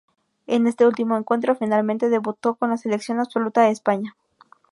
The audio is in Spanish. En este último encuentro, finalmente, debutó con la selección absoluta de España.